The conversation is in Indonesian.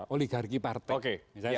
oligarki partai oke